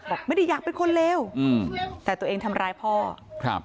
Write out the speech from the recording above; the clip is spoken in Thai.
บอกไม่ได้อยากเป็นคนเลวอืมแต่ตัวเองทำร้ายพ่อครับ